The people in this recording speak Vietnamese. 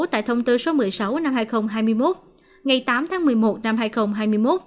tại thông tư số một mươi sáu năm hai nghìn hai mươi một ngày tám tháng một mươi một năm hai nghìn hai mươi một